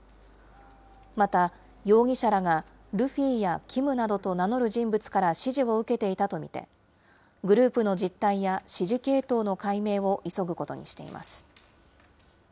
また、容疑者らがルフィやキムなどと名乗る人物から指示を受けていたと見て、グループの実態や、指示系統の解明を急ぐことにしています。